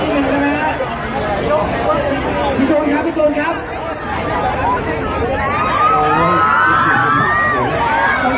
ขอบคุณมากนะคะแล้วก็แถวนี้ยังมีชาติของ